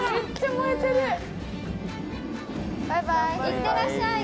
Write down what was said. ・いってらっしゃい！